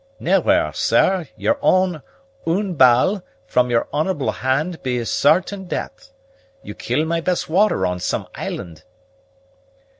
"Nevvair, sair, your own; une balle from your honorable hand be sairtaine deat'. You kill my best warrior on some island."